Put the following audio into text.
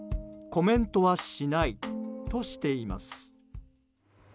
コメントはしないとしています。